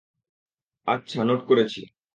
আচ্ছা নোট করেছি।